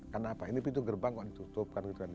karena apa ini pintu gerbang kok ditutup